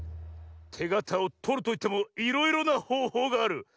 てがたをとるといってもいろいろなほうほうがある。